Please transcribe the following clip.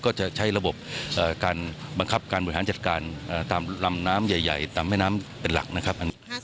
ก็จะใช้ระบบการบังคับการบริหารจัดการตามลำน้ำใหญ่ตามแม่น้ำเป็นหลักนะครับ